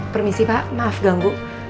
permisi pak maaf ganggu